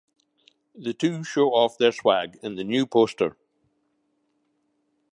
The two show off their swag in the new poster.